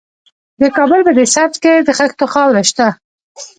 د کابل په ده سبز کې د خښتو خاوره شته.